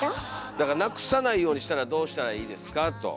だからなくさないようにしたらどうしたらいいですかと。